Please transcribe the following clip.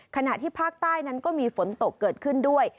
ขณะที่ภาคใต้นั้นก็มีฝนตกเกิดขึ้นด้วย